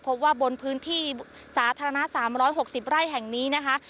บนพื้นที่สาธารณะ๓๖๐ไร่แห่งนี้นะคะ